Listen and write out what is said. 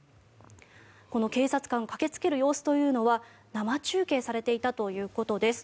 この警察官が駆けつける様子というのは生中継されていたということです。